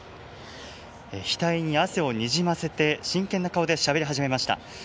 額に汗をにじませて真剣な顔でしゃべり始めました。